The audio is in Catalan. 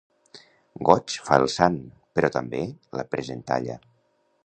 Goig fa el sant, però també la presentalla.